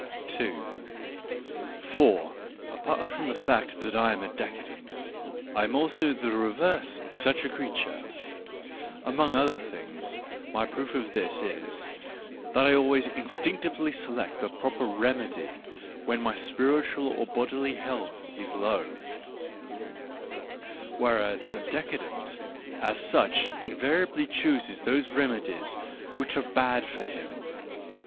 For, apart from the fact that I am a decadent, I am also the reverse of such a creature. Among other things my proof of this is, that I always instinctively select the proper remedy when my spiritual or bodily health is low ; whereas the de cadent, as such, invariably chooses those remedies which are bad for him.